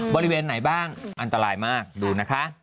บริเวณไหนบ้างอันตรายมากดูนะคะ